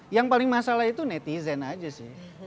yang paling masalah itu netizen aja sih